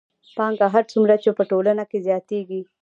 پانګه هر څومره چې په ټولنه کې زیاتېږي